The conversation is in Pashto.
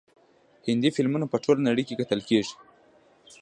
هندي فلمونه په ټوله نړۍ کې کتل کیږي.